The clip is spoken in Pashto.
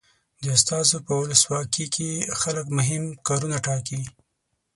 د استازو په ولسواکي کې خلک مهم کارونه ټاکي.